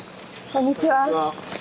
こんにちは。